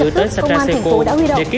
họ không phản đối việc tăng giá